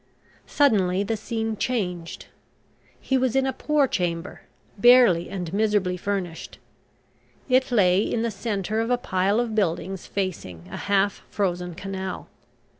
Suddenly the scene changed. He was in a poor chamber, barely and miserably furnished. It lay in the centre of a pile of buildings facing a half frozen canal.